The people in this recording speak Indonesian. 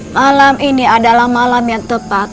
malam ini adalah malam yang tepat